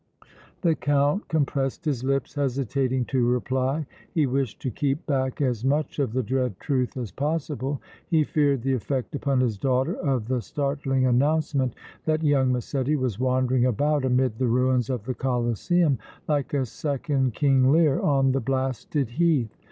The Count compressed his lips, hesitating to reply. He wished to keep back as much of the dread truth as possible. He feared the effect upon his daughter of the startling announcement that young Massetti was wandering about amid the ruins of the Colosseum like a second King Lear on the blasted heath.